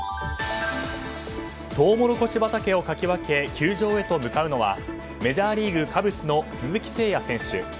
トウモロコシ畑をかきわけ球場へと向かうのはメジャーリーグ、カブスの鈴木誠也選手。